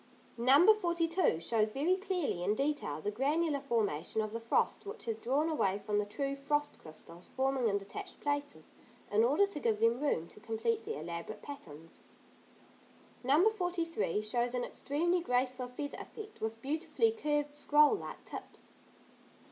No. 42 shows very clearly, in detail, the granular formation of the frost which has drawn away from the true frost crystals forming in detached places, in order to give them room to complete their elaborate patterns. No. 43 shows an extremely graceful feather effect, with beautifully curved scroll like tips.